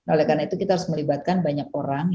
oleh karena itu kita harus melibatkan banyak orang